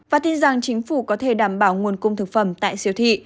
và tin rằng chính phủ có thể đảm bảo nguồn cung thực phẩm tại siêu thị